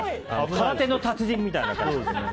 空手の達人みたいな感じで。